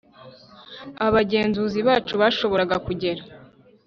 abagenzuzi bacu bashoboraga kugera